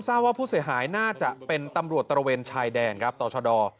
ทราบว่าผู้เสียหายน่าจะเป็นตำรวจตระเวนชายแดนครับต่อชะดอ